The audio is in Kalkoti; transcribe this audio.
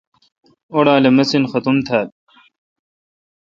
اوڑال اے مسین ختُم تھال۔